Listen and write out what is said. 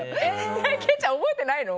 ケイちゃん、覚えてないの？